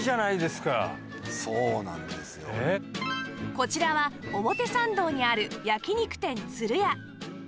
こちらは表参道にある焼き肉店つる屋